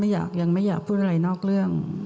ยังไม่อยากพูดอะไรนอกเรื่อง